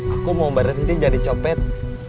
aku mau berhenti jadi copet